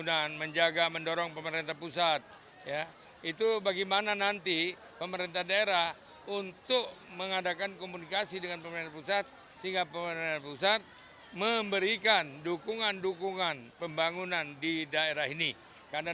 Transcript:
datuk bandara sultan nankayo menyampaikan harapannya agar pemerintah pusat dan daerah mampu bersinergi untuk membangun sumatera barat